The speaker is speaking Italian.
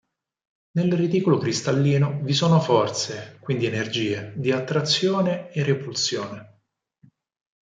Nel reticolo cristallino vi sono forze, quindi energie, di attrazione e repulsione.